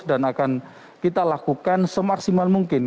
dan kita lakukan semaksimal mungkin